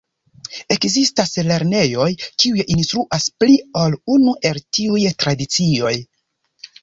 Ekzistas lernejoj kiuj instruas pli ol unu el tiuj tradicioj.